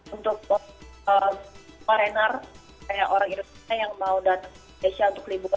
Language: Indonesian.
untuk korener kayak orang indonesia yang mau datang ke indonesia untuk liburan